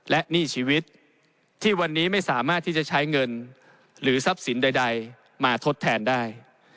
และหนี้ชีวิตที่วันนี้ไม่สามารถที่จะใช้เงินหรือทรัพย์สินใดมาทดแทนได้